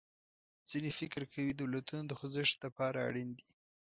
ځینې فکر کوي دولتونه د خوځښت له پاره اړین دي.